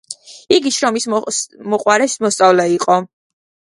იგი შრომისმოყვარე მოსწავლე იყო.